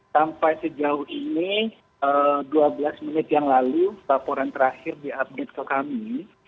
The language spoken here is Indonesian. sampai sejauh ini dua belas menit yang lalu laporan terakhir diupdate ke kami